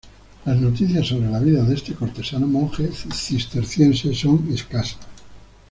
Las noticias sobre la vida de este cortesano monje cisterciense son escasas.